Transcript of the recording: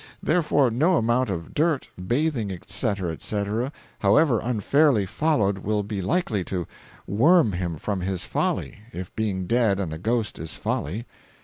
Therefore, no amount of 'dirt, bathing,' etc., etc., howsoever 'unfairly followed' will be likely to 'worm him from his folly'—if being dead and a ghost is 'folly.